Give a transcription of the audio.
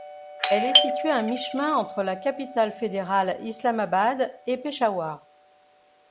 Elle est située à mi-chemin entre la capitale fédéral Islamabad et Peshawar.